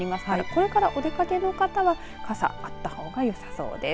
これからお出かけの方は傘があったほうがよさそうです。